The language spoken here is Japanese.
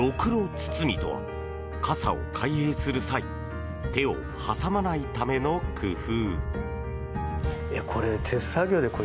包みとは傘を開閉する際手を挟まないための工夫。